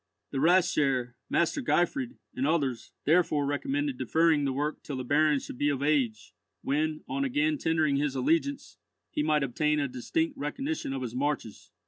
The Rathsherr, Master Gottfried, and others, therefore recommended deferring the work till the Baron should be of age, when, on again tendering his allegiance, he might obtain a distinct recognition of his marches.